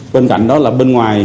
bên cạnh đó là bên ngoài